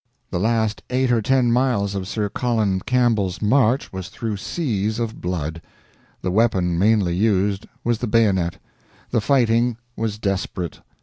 The last eight or ten miles of Sir Colin Campbell's march was through seas of blood. The weapon mainly used was the bayonet, the fighting was desperate.